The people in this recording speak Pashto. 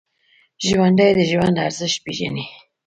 ژوندي د ژوند ارزښت پېژني